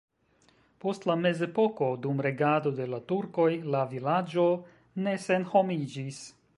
Post la mezepoko dum regado de la turkoj la vilaĝo ne senhomiĝis.